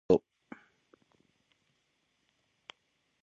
寒々と吹く秋風のように、厳しく冷たいこと。